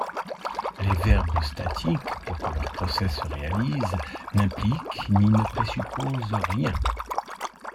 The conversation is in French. Les verbes statiques, pour que leurs procès se réalisent, n'impliquent ni ne présupposent rien.